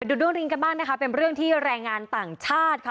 ดูเรื่องนี้กันบ้างนะคะเป็นเรื่องที่แรงงานต่างชาติค่ะ